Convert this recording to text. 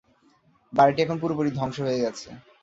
বাড়িটি এখন পুরোপুরিভাবে ধ্বংস হয়ে গেছে।